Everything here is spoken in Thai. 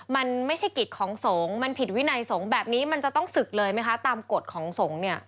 มันไม่ใช่กิจของสงฆ์มันผิดวินัยสงฆ์แบบนี้มันจะต้องศึกเลยไหมคะตามกฎของสงฆ์เนี่ย